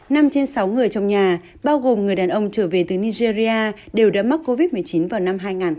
năm trên sáu người trong nhà bao gồm người đàn ông trở về từ nigeria đều đã mắc covid một mươi chín vào năm hai nghìn hai mươi